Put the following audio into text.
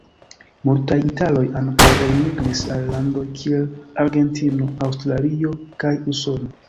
Multaj italoj ankaŭ elmigris al landoj kiel Argentino, Aŭstralio kaj Usono.